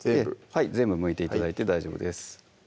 はい全部むいて頂いて大丈夫です